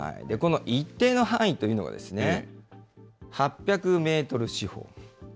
この一定の範囲というのが、８００メートル四方。